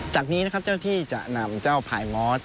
จากนี้นะครับเจ้าที่จะนำเจ้าพายมอส